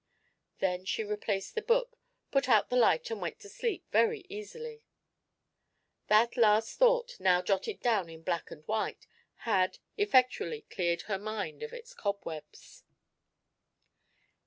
Then she replaced the book, put out the light and went to sleep very easily. That last thought, now jotted down in black and white, had effectually cleared her mind of its cobwebs.